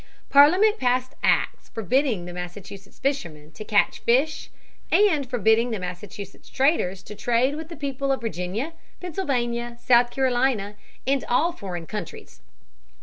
Parliament passed acts forbidding the Massachusetts fishermen to catch fish and forbidding the Massachusetts traders to trade with the people of Virginia, Pennsylvania, South Carolina, and all foreign countries.